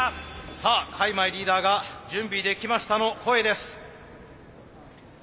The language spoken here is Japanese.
さあ開米リーダーが「準備できました」の声です。